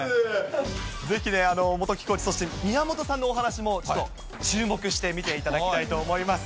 ぜひね、元木コーチ、それと宮本さんのお話もちょっと注目して見ていただきたいと思います。